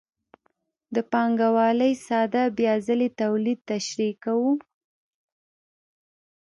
د پانګوالۍ ساده بیا ځلي تولید تشریح کوو